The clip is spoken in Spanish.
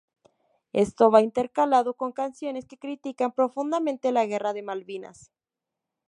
Esto va intercalado con canciones que critican profundamente la guerra de Malvinas.